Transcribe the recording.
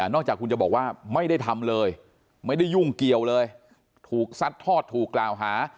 จากคุณจะบอกว่าไม่ได้ทำเลยไม่ได้ยุ่งเกี่ยวเลยถูกซัดทอดถูกกล่าวหา